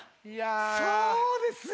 そうですよ。